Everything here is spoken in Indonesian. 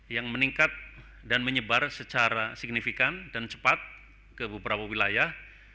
yang meningkat dan menyebar secara signifikan dan cepat ke beberapa wilayah